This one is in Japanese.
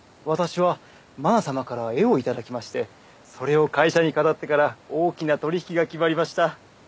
私はまな様から絵を頂きましてそれを会社に飾ってから大きな取り引きが決まりました。